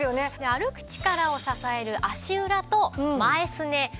歩く力を支える足裏と前すねさらにですね